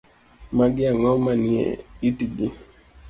Magi ang'o manie itigi.